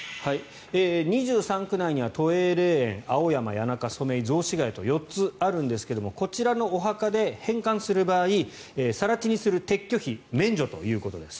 ２３区内には都営霊園青山、谷中、染井雑司ヶ谷と４つあるんですがこちらのお墓で返還する場合更地にする撤去費免除ということです。